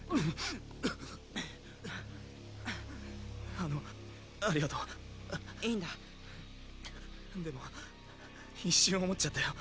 あのありがとういいんだでも一瞬思っちゃったよ